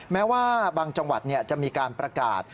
แม้ว่าบางจังหวัดจะมีการประกาศ